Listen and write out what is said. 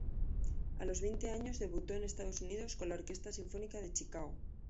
A los veinte años debutó en Estados Unidos con la Orquesta Sinfónica de Chicago.